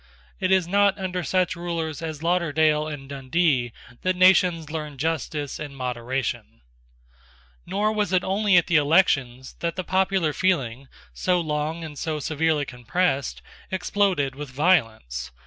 It is not under such rulers as Lauderdale and Dundee that nations learn justice and moderation, Nor was it only at the elections that the popular feeling, so long and so severely compressed, exploded with violence.